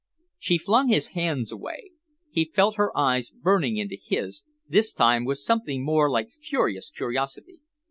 She flung his hands away. He felt her eyes burning into his, this time with something more like furious curiosity.